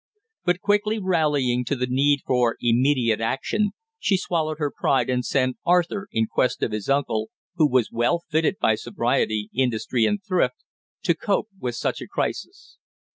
But quickly rallying to the need for immediate action she swallowed her pride and sent Arthur in quest of his uncle, who was well fitted by sobriety, industry and thrift, to cope with such a crisis.